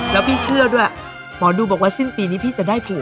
แล้วพี่เชื่อด้วยหมอดูบอกว่าสิ้นปีนี้พี่จะได้ถูก